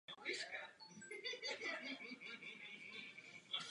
Vejce se snadno stává výživnou potravou ostatních zvířat nebo lidí.